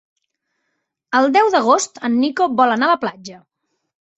El deu d'agost en Nico vol anar a la platja.